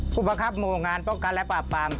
ผู้บังคับหมู่งานป้องกันและปราบบาม